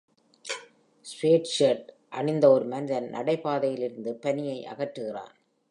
Sweatshirt அணிந்த ஒரு மனிதன் நடைபாதையில் இருந்து பனியை அகற்றுகிறான்.